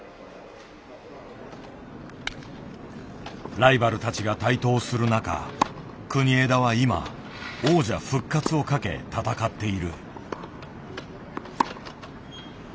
ライバルたちが台頭する中国枝は今王者復活をかけ戦っている。